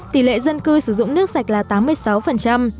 tỷ lệ dân cư sử dụng nước sạch là tám mươi sáu